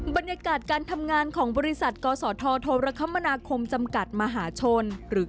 บรรยากาศการทำงานของบริษัทกศธโทรคมนาคมจำกัดมหาชนหรือ